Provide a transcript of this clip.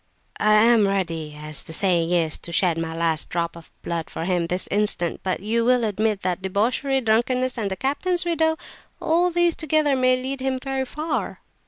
I am ready, as the saying is, to shed my last drop of blood for him this instant; but you will admit that debauchery, drunkenness, and the captain's widow, all these together may lead him very far."